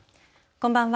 こんばんは。